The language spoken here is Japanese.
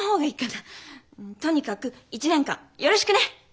とにかく１年間よろしくね。